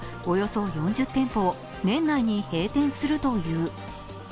およそ４０店舗を年内に閉店するという。